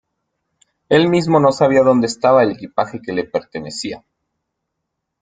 Él mismo no sabía dónde estaba el equipaje que le pertenecía.